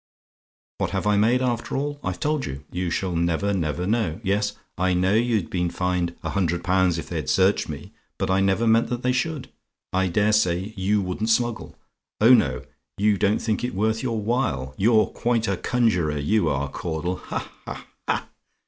"WHAT HAVE I MADE, AFTER ALL? "I've told you you shall never, never know. Yes, I know you'd been fined a hundred pounds if they'd searched me; but I never meant that they should. I daresay you wouldn't smuggle oh no! you don't think it worth your while. You're quite a conjuror, you are, Caudle. Ha! ha! ha!